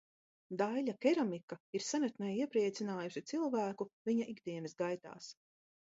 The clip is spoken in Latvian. Daiļa keramika ir senatnē iepriecinājusi cilvēku viņa ikdienas gaitās.